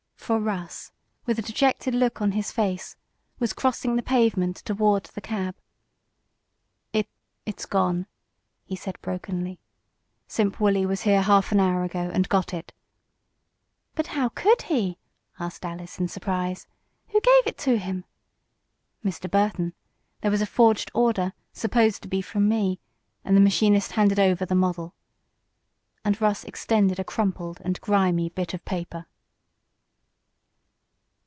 For Russ, with a dejected look on his face, was crossing the pavement toward the cab. "It it's gone," he said brokenly. "Simp Wolley was here a half hour ago and got it!" "But how could he?" asked Alice in surprise. "Who gave it to him?" "Mr. Burton. There was a forged order, supposed to be from me, and the machinist handed over the model," and Russ extended a crumpled and grimy bit of paper.